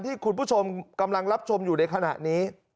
ที่คุณผู้ชมกำลังรับชมอยู่ในขณะนี้